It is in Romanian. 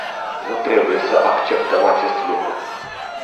Nu trebuie să acceptăm acest lucru.